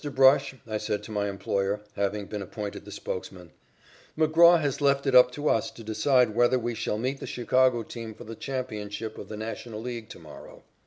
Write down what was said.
Brush," I said to my employer, having been appointed the spokesman, "McGraw has left it up to us to decide whether we shall meet the Chicago team for the championship of the National League to morrow.